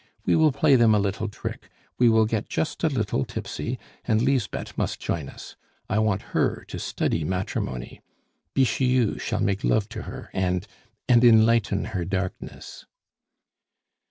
We will play them a little trick, we will get just a little tipsy, and Lisbeth must join us. I want her to study matrimony; Bixiou shall make love to her, and and enlighten her darkness."